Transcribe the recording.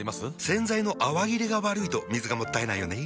洗剤の泡切れが悪いと水がもったいないよね。